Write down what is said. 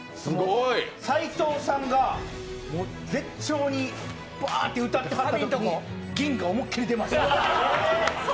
斎藤さんが絶頂にばーって歌ってはったときに銀が思いっきり出ました。